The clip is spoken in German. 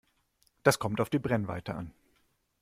Das kommt auf die Brennweite an.